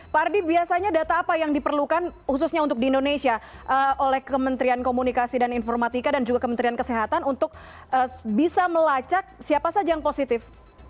jadi biasanya data apa yang diperlukan khususnya untuk di indonesia oleh kementerian komunikasi dan informatika dan juga kementerian kesehatan untuk bisa melacak siapa saja yang positif